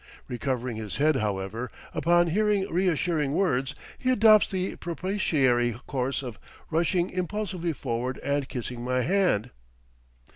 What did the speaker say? Recovering his head, however, upon hearing reassuring words, he adopts the propitiatory course of rushing impulsively forward and kissing my hand.